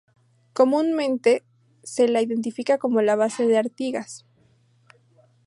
Comúnmente se la identifica como base Artigas.